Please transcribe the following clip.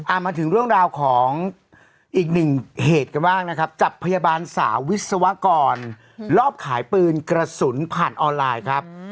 มาถึงเรื่องราวของอีกหนึ่งเหตุกันบ้างนะครับจับพยาบาลสาววิศวกรรอบขายปืนกระสุนผ่านออนไลน์ครับ